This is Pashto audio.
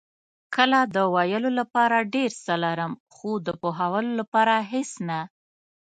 کله د ویلو لپاره ډېر څه لرم، خو د پوهولو لپاره هېڅ نه.